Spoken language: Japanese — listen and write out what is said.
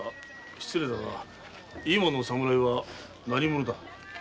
失礼だが今の侍は何者だ？